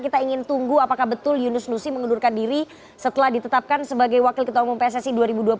kita ingin tunggu apakah betul yunus nusi mengundurkan diri setelah ditetapkan sebagai wakil ketua umum pssi dua ribu dua puluh tiga dua ribu dua puluh tujuh